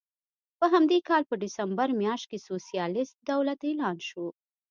په همدې کال په ډسمبر میاشت کې سوسیالېست دولت اعلان شو.